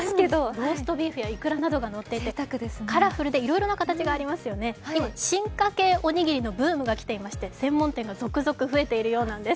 ローストビーフやいくらなどがのっていましてカラフルでいろいろな形がありますよね、今、進化系おにぎりのブームがきていまして専門店が続々増えているようなんです。